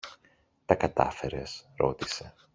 Τα κατάφερες; ρώτησε.